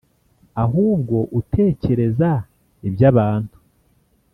ahubwo utekereza iby’abantu.”